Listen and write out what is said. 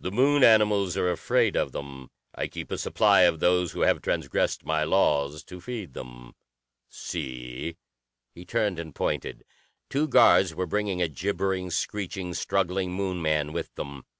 The Moon animals are afraid of them. I keep a supply of those who have transgressed my laws to feed them. See!" He turned and pointed. Two guards were bringing a gibbering, screeching, struggling Moon man with them.